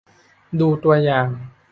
ดูตัวอย่าง